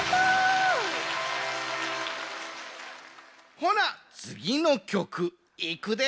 ほなつぎのきょくいくで。